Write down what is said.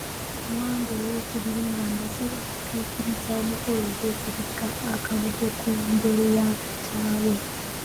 Mwanga II ng'amaze okutuukiriza omukolo ogw'okubikka akabugo ku njole ya kitaawe.